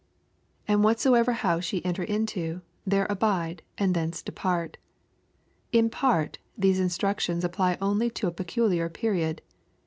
And whatsoever house ye enter into, there abide, and thence depart." In part, these instructions apply only to a peculiar period.